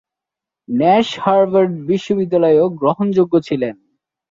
Nash Harvard বিশ্ববিদ্যালয়েও গ্রহণযোগ্য ছিলেন।